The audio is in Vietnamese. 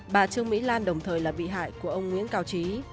bà trương mỹ lan đồng thời là bị hại của ông nguyễn cao trí